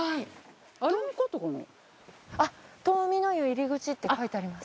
あっ遠見乃湯入口って書いてあります。